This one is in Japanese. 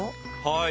はい。